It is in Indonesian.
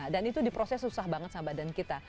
dan itu diproses susah banget sama badan kita